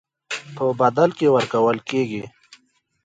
په بدل کې ورکول کېږي.